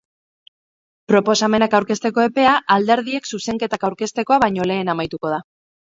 Proposamenak aurkezteko epea alderdiek zuzenketak aurkeztekoa baino lehen amaituko da.